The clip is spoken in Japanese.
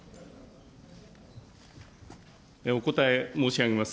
お答え申し上げます。